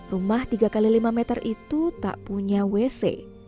rumah tiga x lima meter itu tak punya wc